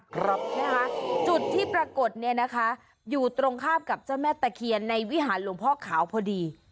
นะคะจุดที่ปรากฏเนี่ยนะคะอยู่ตรงข้ามกับเจ้าแม่ตะเคียนในวิหารหลวงพ่อขาวพอดี